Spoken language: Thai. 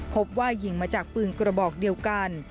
พบว่ายิงมาจากปืนกระบอกเดียวกัน